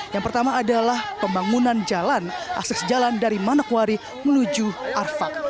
yang pertama adalah pembangunan jalan akses jalan dari manokwari menuju arfak